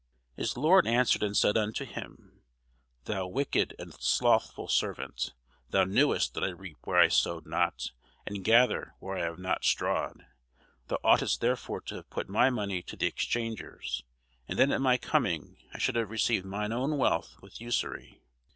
His lord answered and said unto him, Thou wicked and slothful servant, thou knewest that I reap where I sowed not, and gather where I have not strawed: thou oughtest therefore to have put my money to the exchangers, and then at my coming I should have received mine own with usury.